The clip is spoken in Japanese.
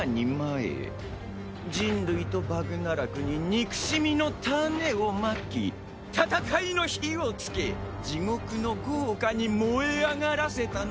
人類とバグナラクに憎しみの種をまき戦いの火をつけ地獄の業火に燃え上がらせたのですよ。